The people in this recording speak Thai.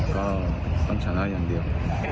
ก็ต้องชนะอย่างเดียว